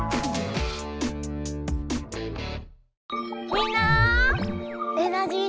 みんなエナジー